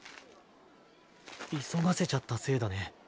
急がせちゃったせいだね。